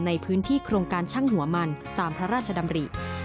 ในพื้นที่โครงการช่างหัวมันตามพระราชดำริ